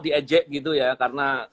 di ajek gitu ya karena